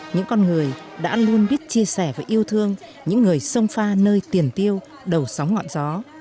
những con người đã luôn biết chia sẻ và yêu thương những người sông pha nơi tiền tiêu đầu sóng ngọn gió